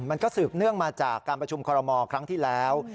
มันก็สืบเนื่องมาจากการประชุมคอรมอลครั้งที่แล้ว